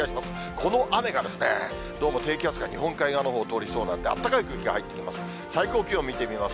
この雨がですね、どうも低気圧が日本海側のほうを通りそうなんで、あったかい空気が入ってきます。